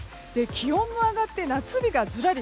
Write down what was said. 気温も上がって夏日がずらり。